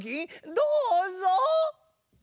どうぞ。